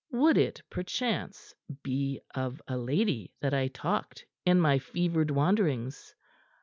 Would it, perchance, be of a lady that I talked in my fevered wanderings?